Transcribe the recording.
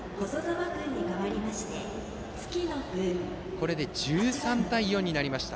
これで１３対４になりました。